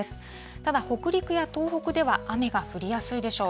ただ、北陸や東北では雨が降りやすいでしょう。